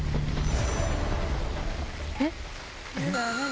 えっ？